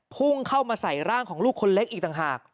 พุ่งเข้ามาใส่ร่างของลูกคนเล็กอีกต่างหาก